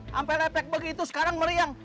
sampai lepek begitu sekarang meriang